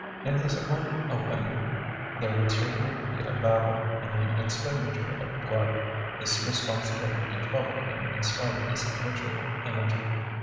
In his own opinion there would certainly be a battle and an expenditure of blood. This responsibility troubled him in spite of his habitual energy.